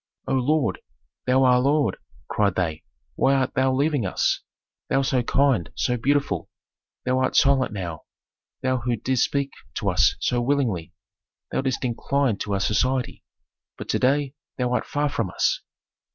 "O lord! thou our lord!" cried they, "why art thou leaving us? Thou so kind, so beautiful. Thou art silent now, thou who didst speak to us so willingly. Thou didst incline to our society, but to day thou art far from us."